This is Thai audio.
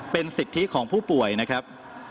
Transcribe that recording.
เป็นสิทธิของผู้ป่วยนะครับ